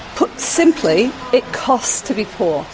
menurut saya harganya lebih murah